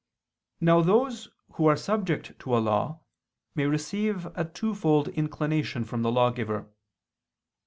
Now those who are subject to a law may receive a twofold inclination from the lawgiver.